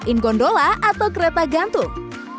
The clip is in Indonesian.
in gondola atau kereta gantung